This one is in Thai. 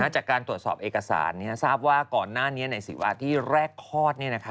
จากการตรวจสอบเอกสารทราบว่าก่อนหน้านี้ในศิวาที่แรกคลอด